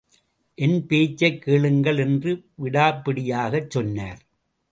என் பேச்சைக் கேளுங்கள் என்று விடாப்பிடியாகச் சொன்னார்.